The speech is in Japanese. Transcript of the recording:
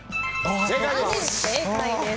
正解です。